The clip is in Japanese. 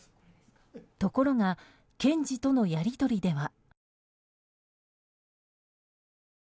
ところが検事とのやり取りでは。